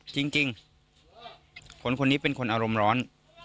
จริงคนคนนี้เป็นคนอารมณ์ร้อน